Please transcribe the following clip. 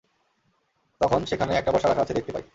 তখন সেখানে একটা বর্শা রাখা আছে দেখতে পাই।